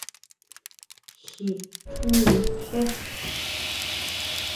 Ji tjínri jé.